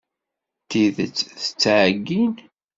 Tidet tettɛeggin.